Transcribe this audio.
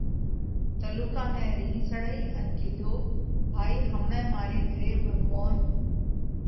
تلُوڪا نئہ رِينه سڙئِي ان ڪِيڌو: ڀائِي همڻئہ ماري گھري ڀڳوونَ